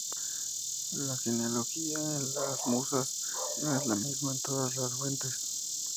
La genealogía de las Musas no es la misma en todas las fuentes.